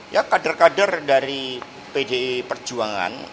ya kader kader dari pdi perjuangan